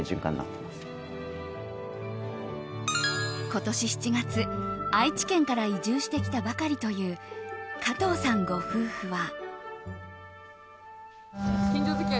今年７月、愛知県から移住してきたばかりという加藤さんご夫婦は。